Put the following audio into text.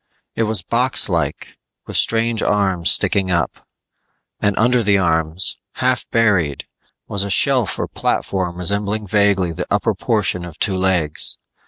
It was boxlike with strange arms sticking up; and under the arms, half buried, was a shelf or platform resembling vaguely the upper portion of two legs.